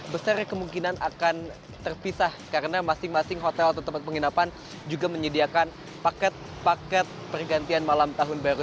besar kemungkinan akan terpisah karena masing masing hotel atau tempat penginapan juga menyediakan paket paket pergantian malam tahun baru